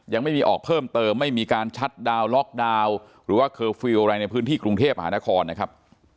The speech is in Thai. ยังไม่มีออกเพิ่มเติมไม่มีการชัดดาวน์ล็อกดาวน์หรือว่าเคอร์ฟิลล์อะไรในพื้นที่กรุงเทพมหานครนะครับ